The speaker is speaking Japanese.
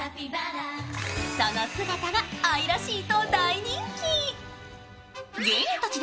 その姿が愛らしいと大人気。